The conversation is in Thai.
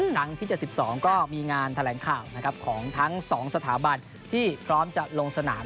ครั้งที่๗๒ก็มีงานแถลงข่าวนะครับของทั้ง๒สถาบันที่พร้อมจะลงสนาม